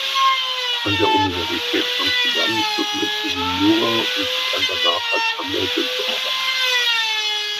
An der Universität Amsterdam studierte sie Jura und begann danach als Anwältin zu arbeiten.